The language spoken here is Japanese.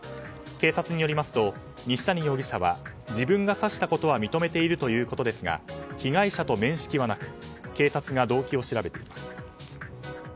警察によりますと西谷容疑者は自分が刺したことは認めているということですが被害者と面識はなく警察が動機を調べています。